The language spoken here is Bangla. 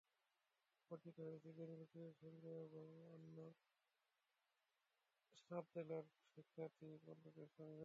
পরিচিত হয়েছি জ্ঞানী ব্যক্তিদের সঙ্গে এবং অন্য সাত জেলার শিক্ষার্থী বন্ধুদের সঙ্গেও।